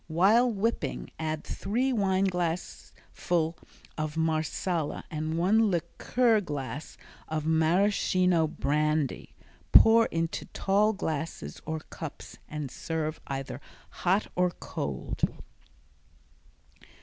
While whipping add three wine glassfuls of Marsala and one liqueur glass of Maraschino brandy. Pour into tall glasses or cups and serve either hot or cold.